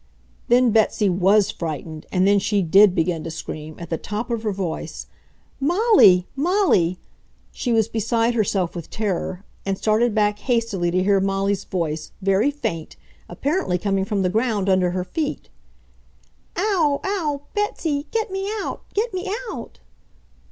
Then Betsy WAS frightened and then she DID begin to scream, at the top of her voice, "Molly! Molly!" She was beside herself with terror, and started back hastily to hear Molly's voice, very faint, apparently coming from the ground under her feet. "Ow! Ow! Betsy! Get me out! Get me out!"